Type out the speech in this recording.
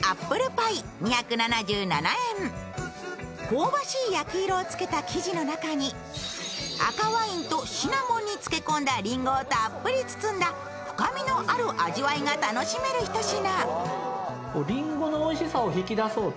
香ばしい焼き色をつけた生地の中に赤ワインとシナモンにつけこんだりんごをたっぷり包んだ深みのある味わいが楽しめる一品。